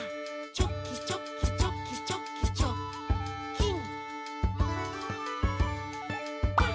「チョキチョキチョキチョキチョッキン！」